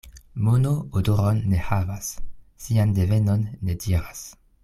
Mono odoron ne havas, sian devenon ne diras.